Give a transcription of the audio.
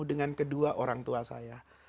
dengan kedua orang tua saya